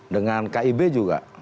dengan kib juga